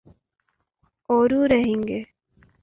اوروہ رہیں گے۔